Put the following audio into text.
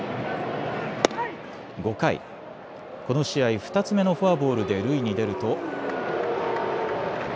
５回、この試合２つ目のフォアボールで塁に出ると。